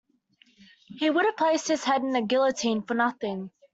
He would have placed his head in the guillotine for nothing.